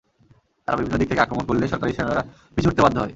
তারা বিভিন্ন দিক থেকে আক্রমণ করলে সরকারি সেনারা পিছু হটতে বাধ্য হয়।